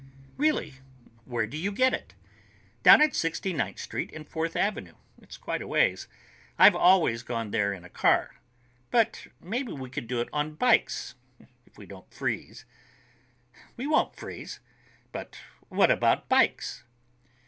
"Really? Where do you get it?" "Down at Sixty ninth Street and Fourth Avenue. It's quite a ways. I've always gone there in a car. But maybe we could do it on bikes, if we don't freeze." "We won't freeze. But what about bikes?"